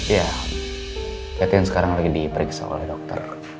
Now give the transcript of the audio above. ya catherine sekarang lagi diperiksa oleh dokter